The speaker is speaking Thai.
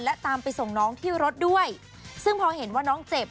และตามไปส่งน้องที่รถด้วยซึ่งพอเห็นว่าน้องเจ็บ